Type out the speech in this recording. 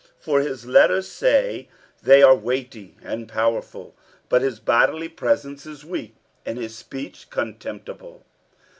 47:010:010 For his letters, say they, are weighty and powerful; but his bodily presence is weak, and his speech contemptible.